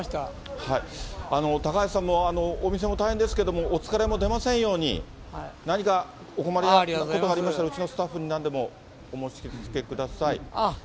高橋さんもお店も大変ですけども、お疲れも出ませんように、何かお困りなことがありましたら、うちのスタッフになんでもお申し付けください。